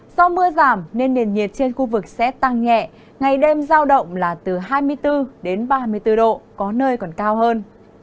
do mưa giảm nên nền nhiệt trên khu vực sẽ tăng nhẹ ngày đêm giao động là từ hai mươi bốn đến ba mươi bốn độ có nơi còn cao hơn